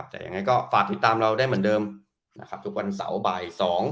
แต่ยังไงก็ฝากติดตามเราได้เหมือนเดิมนะครับทุกวันเสาร์บ่าย๒